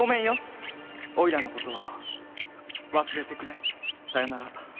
おいらのことはわすれてくれさようなら」